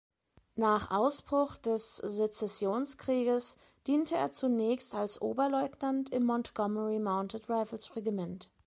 Nach Ausbruch des Sezessionskrieges diente er zunächst als Oberleutnant im Montgomery Mounted Rifles Regiment.